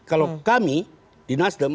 kalau kami di nasdem